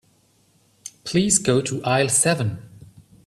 Please go to aisle seven.